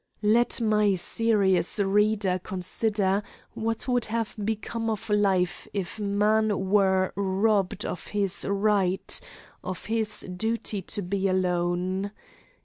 Let my serious reader consider what would have become of life if man were robbed of his right, of his duty to be alone.